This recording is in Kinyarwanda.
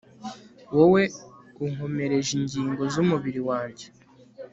wowe unkomereje ingingo z'umubiri wanjye